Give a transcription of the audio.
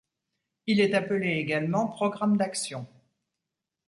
Il est appelé également, programme d’action.